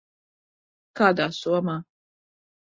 Kādā somā?